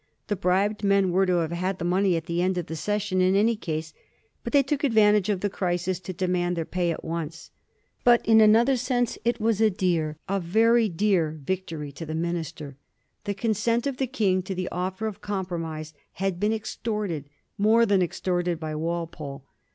The bribed men were to have had the money at the end of the session in any case, but they took advantage of the crisis to demand their pay at once. But in another sense it was a dear. 1787. A MAN OF CONSEQUENCE. 91 a very dear, victory to the minister. The consent of the King to the offer of compromise had been extorted, more than extorted, by Walpole.